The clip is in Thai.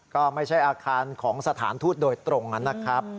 ก็ไม่ใช่อาคารของสถานทูตโดยตรงนะครับ